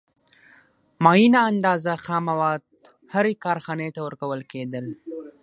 معینه اندازه خام مواد هرې کارخانې ته ورکول کېدل